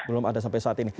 belum ada sampai saat ini